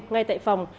ngay tại phòng